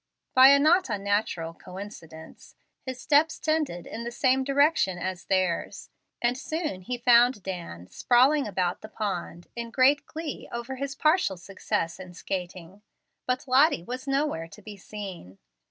By a not unnatural coincidence, his steps tended in the same direction as theirs, and soon he found Dan sprawling about the pond in great glee over his partial success in skating; but Lottie was nowhere to be seen.